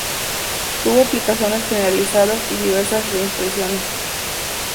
Tuvo ampliaciones generalizadas y diversas reimpresiones.